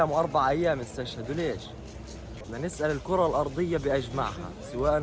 kita bertanya kepada kota tersebut apakah saya kecil atau besar satu pertanyaan